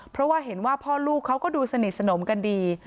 เพราะว่าเห็นว่าพ่อลูกเขาก็ดูสนิทสนมกันดี